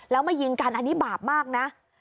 แล้วมายิงกันอันนี้บาปมากนะ